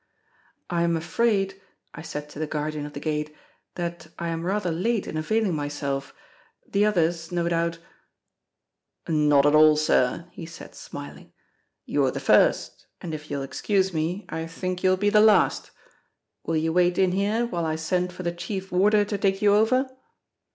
"I'm afraid," I said to the guardian of the gate, "that I am rather late in availing myself—the others, no doubt——?" "Not at all, sir," he said, smiling. "You're the first, and if you'll excuse me, I think you'll be the last. Will you wait in here while I send for the chief warder to take you over?"